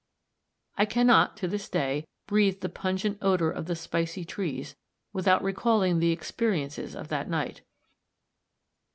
I can not, to this day, breathe the pungent odor of the spicy trees, without recalling the experiences of that night.